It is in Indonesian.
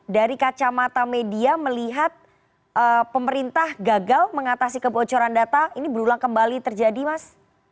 dari kacamata media melihat pemerintah gagal mengatasi kebocoran data ini berulang kembali terjadi mas